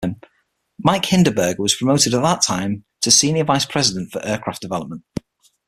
Mike Hinderberger was promoted at that time to senior vice president for aircraft development.